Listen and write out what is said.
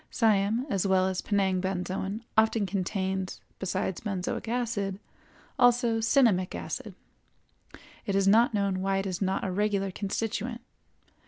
Siam as well as Penang benzoin often contains, besides benzoic acid, also cinnamic acid; it is not known why it is not a regular constituent.